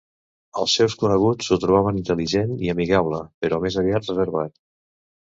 Els seus coneguts ho trobaven intel·ligent i amigable, però més aviat reservat.